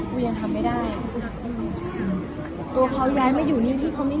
ปูยังทำไม่ได้